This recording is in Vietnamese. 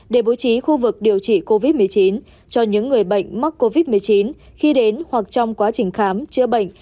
để bố trí khu vực điều trị covid một mươi chín cho những người bệnh mắc covid một mươi chín khi đến hoặc trong quá trình khám chữa bệnh